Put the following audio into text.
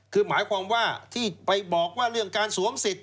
คือหมายความว่าที่ไปบอกว่าเรื่องการสวมสิทธิ